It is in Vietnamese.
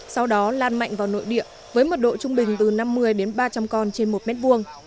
sau đó lan mạnh vào nội địa với mật độ trung bình từ năm mươi đến ba trăm linh con trên một mét vuông